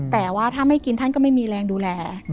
แต่ว่าถ้าไม่กินท่านก็ไม่มีแรงดูแล